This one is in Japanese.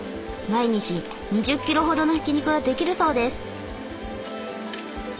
毎日２０キロほどのひき肉ができるそうです。